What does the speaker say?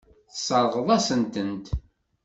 Tesseṛɣeḍ-asen-tent.